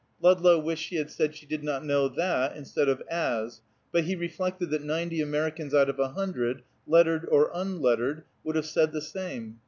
Ludlow wished she had said she did not know that instead of as, but he reflected that ninety Americans out of a hundred, lettered or unlettered, would have said the same.